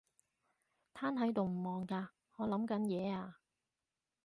癱喺度唔忙㗎？我諗緊嘢呀